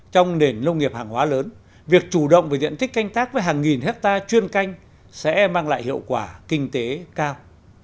trong nền nông nghiệp hàng hóa lớn việc chủ động về diện tích canh tác với hàng nghìn hectare chuyên canh sẽ mang lại hiệu quả kinh tế cao